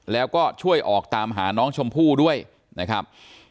แล้วก็ช่วยออกตามหาน้องชมพู่ด้วยนะครับ